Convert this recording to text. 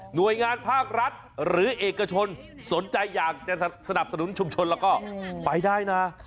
หน่วยงานภาครัฐหรือเอกชนสนใจอยากจะสนับสนุนชุมชนแล้วก็ไปได้นะ